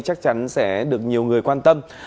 chắc chắn sẽ được nhiều người quan tâm